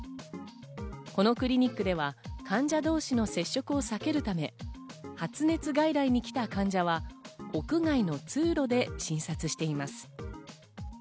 このクリニックでは患者同士の接触を避けるため、発熱外来に来た患者は屋外の通路で診察しています。